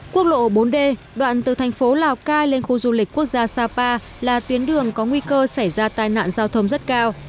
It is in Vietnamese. quốc lộ bốn d đoạn từ thành phố lào cai lên khu du lịch quốc gia sapa là tuyến đường có nguy cơ xảy ra tai nạn giao thông rất cao